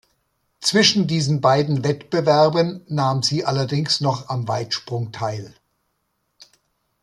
Zwischen diesen beiden Wettbewerben nahm sie allerdings noch am Weitsprung teil.